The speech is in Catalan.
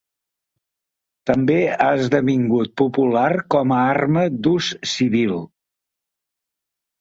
També ha esdevingut popular com a arma d'ús civil.